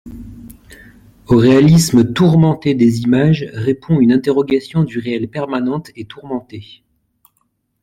Au réalisme tourmenté des images répond une interrogation du réel permanente et tourmentée.